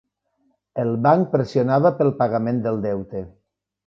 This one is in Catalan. El banc pressionava pel pagament del deute.